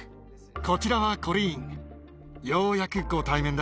こちらはコリーン。